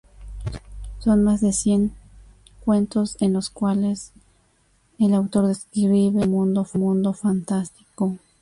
Son más de cien cuentos en los cuales el autor describe su mundo fantástico.